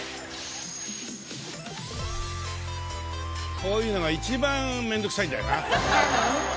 こういうのが一番面倒くさいんだよな。